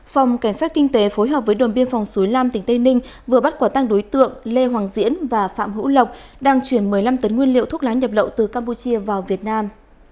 phòng cảnh sát kinh tế phối hợp với đồn biên phòng suối lam tỉnh tây ninh vừa bắt quả tăng đối tượng lê hoàng diễn và phạm hữu lộc đang chuyển một mươi năm tấn nguyên liệu thuốc lá nhập lậu từ campuchia vào việt nam